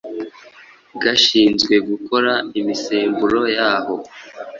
gashinzwe gukora imisemburo yaho